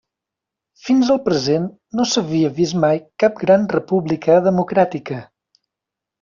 Fins al present no s'havia vist mai cap gran república democràtica.